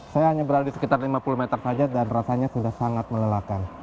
saya hanya berada di sekitar lima puluh meter saja dan rasanya sudah sangat melelahkan